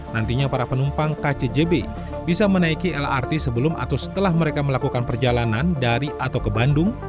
nantinya para penumpang kcjb bisa menaiki lrt sebelum atau setelah mereka melakukan perjalanan dari atau ke bandung